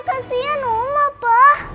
kasian oma pak